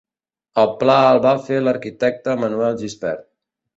El pla el va fer l'arquitecte Manuel Gispert.